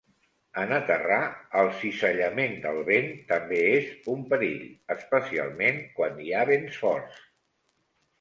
En aterrar, el cisallament del vent també és un perill, especialment quan hi ha vents forts.